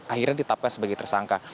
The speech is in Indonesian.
akhirnya ditapkan sebagai tersangka